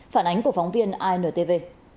phản ánh của phóng viên intv